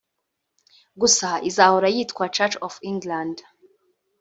gusa izahora yitwa Church of England